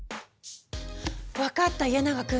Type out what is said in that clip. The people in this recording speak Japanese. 分かった家長君。